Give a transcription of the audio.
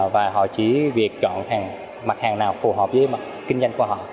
và họ chỉ việc chọn mặt hàng nào phù hợp với mặt kinh doanh của họ